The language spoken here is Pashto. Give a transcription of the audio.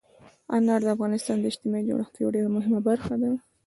انار د افغانستان د اجتماعي جوړښت یوه ډېره مهمه برخه ده.